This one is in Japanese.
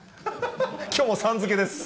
きょうもさん付けです。